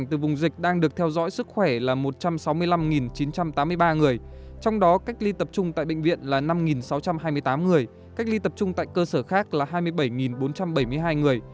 trong đó cách ly tập trung tại bệnh viện là năm sáu trăm hai mươi tám người cách ly tập trung tại cơ sở khác là hai mươi bảy bốn trăm bảy mươi hai người